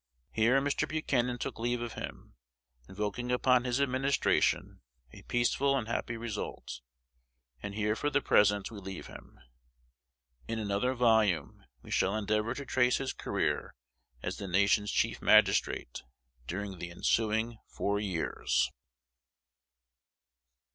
Here Mr. Buchanan took leave of him, invoking upon his administration a peaceful and happy result; and here for the present we leave him. In another volume we shall endeavor to trace his career as the nation's Chief Magistrate during the ensuing four years.